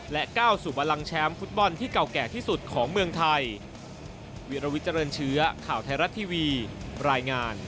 ก้าวสู่บลังแชมป์ฟุตบอลที่เก่าแก่ที่สุดของเมืองไทย